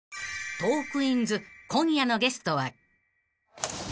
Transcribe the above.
［『トークィーンズ』今夜のゲストは］